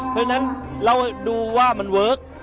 เพราะฉะนั้นเราดูว่ามันเวิร์ค